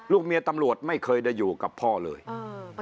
ลูกเมียตำรวจไม่เคยได้อยู่กับพ่อเลยวันปีใหม่